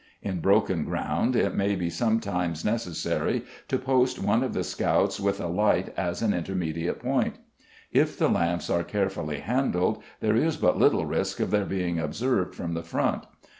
In broken ground it may sometimes be necessary to post one of the scouts with a light as an intermediate point. If the lamps are carefully handled there is but little risk of their being observed from the front.